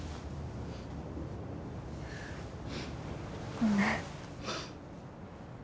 ごめん。